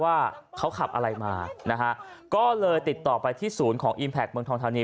ว่าเขาขับอะไรมานะฮะก็เลยติดต่อไปที่ศูนย์ของอิมแพคเมืองทองธานี